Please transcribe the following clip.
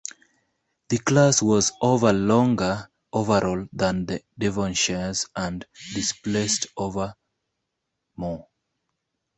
The class was over longer overall than the "Devonshire"s and displaced over more.